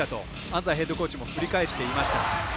安齋ヘッドコーチも振り返っていました。